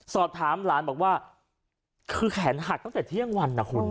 สอดถามหลานบอกซ์ว่าแขนหักตั้งแต่เที่ยงวัน